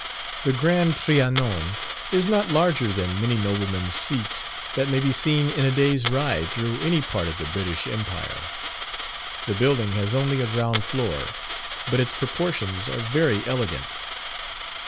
The Grand Trianon is not larger than many noblemen's seats that may be seen in a day's ride through any part of the British empire. The building has only a ground floor, but its proportions are very elegant.